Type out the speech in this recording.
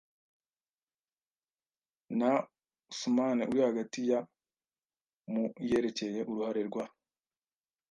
Nta usumane uri hagati ya mu yerekeye uruhare rwa